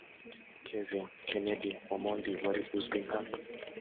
Kelvin Kennedy Omondi wari uzwi nka